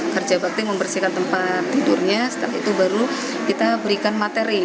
kerja bakti membersihkan tempat tidurnya setelah itu baru kita berikan materi